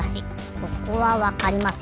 ここはわかりますよ